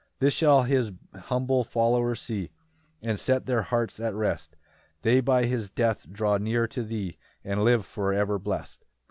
4 This shall his humble followers see, And set their hearts at rest; They by his death draw near to thee, And live for ever blest.